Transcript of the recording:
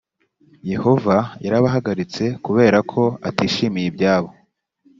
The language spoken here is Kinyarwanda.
yehova yarabahagaritse kubera ko atishimiye ibyabo